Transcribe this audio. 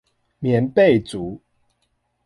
棉被組